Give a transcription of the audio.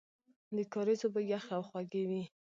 د کاریز اوبه یخې او خوږې وې.